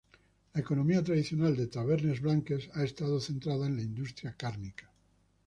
La economía tradicional de Tabernes Blanques ha estado centrada en la industria cárnica.